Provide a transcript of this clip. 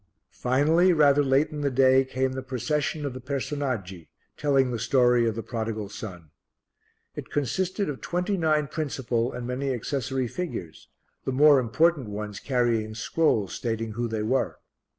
Finally, rather late in the day, came the Procession of the Personaggi, telling the story of The Prodigal Son. It consisted of twenty nine principal and many accessory figures, the more important ones carrying scrolls stating who they were.